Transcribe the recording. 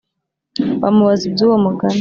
bamubaza iby uwo mugani